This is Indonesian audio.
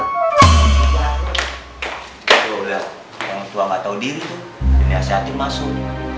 udah yang tua gak tau diri dunia sehatin masuk